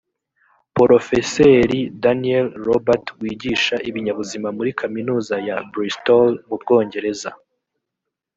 porofeseri daniel robert wigisha ibinyabuzima muri kaminuza ya bristol mu bwongereza